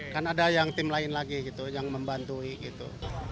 kan ada yang tim lain lagi gitu yang membantui gitu